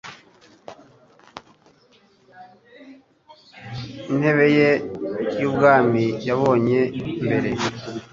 ntebe ye y ubwami yabonye mbere